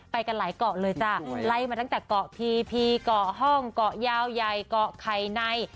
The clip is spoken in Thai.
ไปกันหลายเกาะเลยจ้ะไล่มาตั้งแต่เกาะพีพีเกาะห้องเกาะยาวใหญ่เกาะไข่ใน